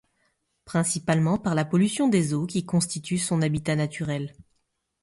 Principalement par la pollution des eaux qui constituent son habitat naturel.